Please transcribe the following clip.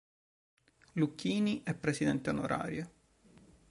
Lucchini è Presidente Onorario.